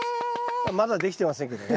まだできてませんけどね。